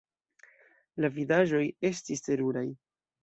La vidaĵoj estis teruraj.